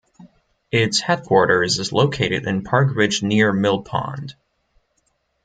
Its headquarters is located in Park Ridge near Mill Pond.